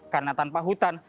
karena tanpa hutan